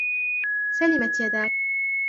سلمت يداك!